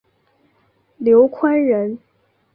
刘宽人。